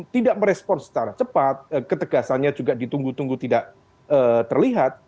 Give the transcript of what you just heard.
tidak merespon secara cepat ketegasannya juga ditunggu tunggu tidak terlihat